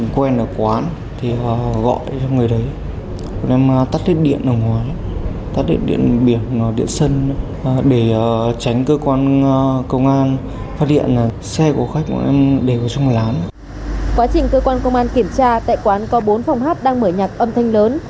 quá trình cơ quan công an kiểm tra tại quán có bốn phòng hát đang mở nhạc âm thanh lớn